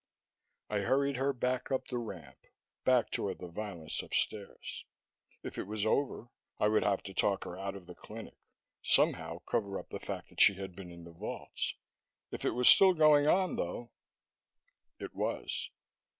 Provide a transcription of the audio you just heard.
I hurried her back up the ramp, back toward the violence upstairs. If it was over, I would have to talk her out of the clinic, somehow cover up the fact that she had been in the vaults. If it was still going on, though It was.